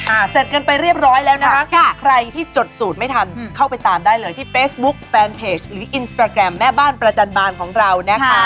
เสร็จกันไปเรียบร้อยแล้วนะคะใครที่จดสูตรไม่ทันเข้าไปตามได้เลยที่เฟซบุ๊คแฟนเพจหรืออินสตราแกรมแม่บ้านประจันบานของเรานะคะ